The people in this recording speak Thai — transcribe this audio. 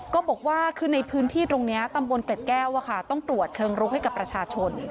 ก็บอกว่าคือในพื้นที่ตรงนี้ตำบลเกร็ดแก้วต้องตรวจเชิงลุกให้กับประชาชน